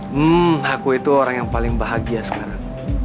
hmm aku itu orang yang paling bahagia sekarang